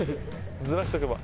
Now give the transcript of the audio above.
ずらしておけば。